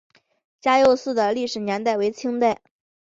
嘉佑寺的历史年代为清代。